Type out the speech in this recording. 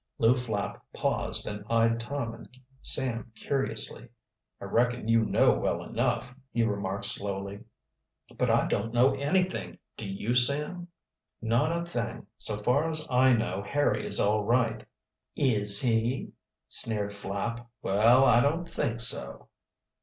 Lew Flapp paused and eyed Tom and Sam curiously. "I reckon you know well enough," he remarked slowly. "But I don't know anything. Do you, Sam?" "Not a thing. So far as I know Harry is all right." "Is he?" sneered Flapp. "Well, I don't think so."